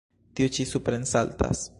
Tiu ĉi suprensaltas.